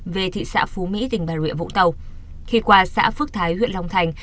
về thị xã phú mỹ tỉnh bà rịa vũng tàu khi qua xã phước thái huyện long thành